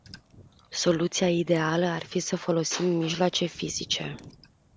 Soluția ideală ar fi să folosim mijloace fizice.